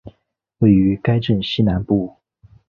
位于该镇西南部。